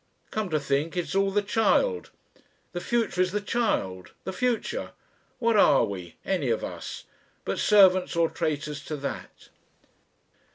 "Come to think, it is all the Child. The future is the Child. The Future. What are we any of us but servants or traitors to that?...